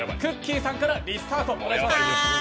さんからリスタートお願いします。